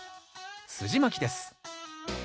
すじまきです。